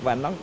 và nó đưa ra